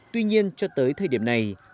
tuy nhiên cho tới thời điểm này